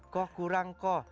kok kurang kok